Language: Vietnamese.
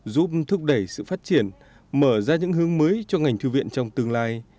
giúp thúc đẩy sự phát triển mở ra những hướng mới cho ngành thư viện trong tương lai